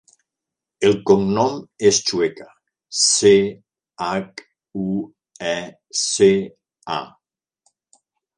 El cognom és Chueca: ce, hac, u, e, ce, a.